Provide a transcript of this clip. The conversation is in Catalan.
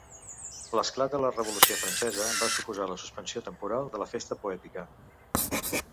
L'esclat de la Revolució Francesa va suposar la suspensió temporal de la festa poètica.